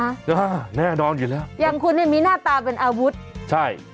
อ่าแน่นอนอยู่แล้วอย่างคุณเนี่ยมีหน้าตาเป็นอาวุธใช่